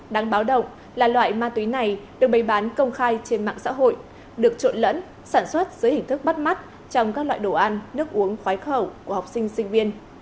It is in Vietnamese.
đáng báo động là loại ma túy này được bày bán công khai trên mạng xã hội được trộn lẫn sản xuất dưới hình thức bắt mắt trong các loại đồ ăn nước uống khoái khẩu của học sinh sinh viên